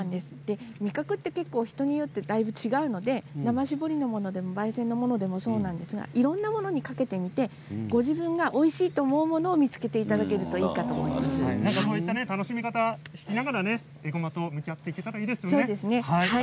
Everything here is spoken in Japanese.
味覚は人によって違うので生搾りでもばい煎でもそうなんですがいろいろなものにかけてみてご自分がおいしいと思うものを見つけていただければいいかといろいろな楽しみ方を見つけながら、えごまと向き合っていけたらいいですね。